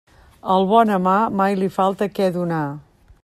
Al bon amar mai li falta què donar.